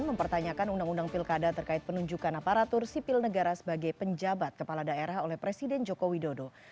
mempertanyakan undang undang pilkada terkait penunjukan aparatur sipil negara sebagai penjabat kepala daerah oleh presiden joko widodo